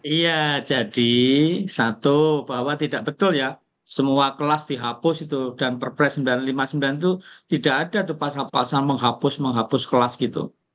iya jadi satu bahwa tidak betul ya semua kelas dihapus itu dan perpres sembilan ratus lima puluh sembilan itu tidak ada tuh pasal pasal menghapus menghapus kelas gitu